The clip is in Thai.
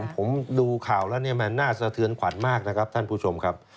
ผมดูข่าวแล้วเนี่ยมันน่าสะเทือนขวัญมากนะครับท่านผู้ชมครับ